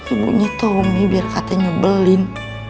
ibunya tommy biar katanya nyebelin